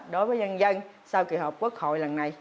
đối với nhân dân sau kỳ họp quốc hội lần này